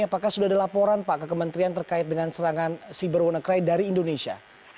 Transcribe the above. apakah sudah ada laporan pak ke kementerian terkait dengan serangan cyber wannacry dari indonesia